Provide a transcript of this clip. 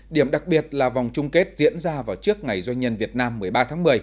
điểm đặc biệt là vòng chung kết diễn ra vào trước ngày doanh nhân việt nam một mươi ba tháng một mươi